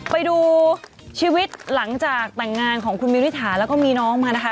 ไปดูชีวิตหลังจากแต่งงานของคุณมิริถาแล้วก็มีน้องมานะคะ